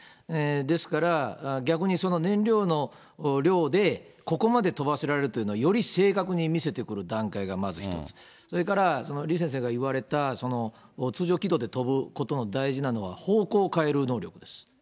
ですから、逆に燃料の量でここまで飛ばせられるというのは、より正確に見せてくる段階がまず一つ、それから、李先生が言われた通常軌道で飛ぶことの大事なのは、方向を変える能力です。